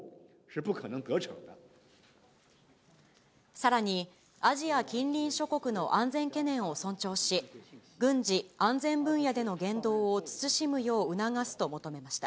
さらに、アジア近隣諸国の安全懸念を尊重し、軍事・安全分野での言動を慎むよう促すと求めました。